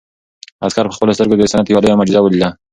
عسکر په خپلو سترګو د انسانیت یو لویه معجزه ولیده.